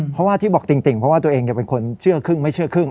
เพราะว่าที่บอกติ่งเพราะว่าตัวเองจะเป็นคนเชื่อครึ่งไม่เชื่อครึ่ง